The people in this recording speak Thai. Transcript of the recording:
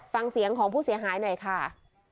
ฟังเสียงของผู้เสียหายหน่อยค่ะ